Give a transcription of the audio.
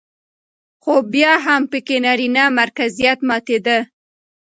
خو بيا هم پکې نرينه مرکزيت ماتېده